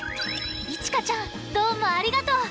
いちかちゃんどうもありがとう。